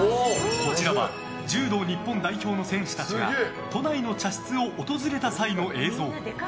こちらは柔道日本代表の選手たちが都内の茶室を訪れた際の映像。